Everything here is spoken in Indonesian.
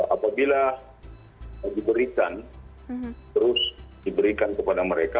apabila diberikan terus diberikan kepada mereka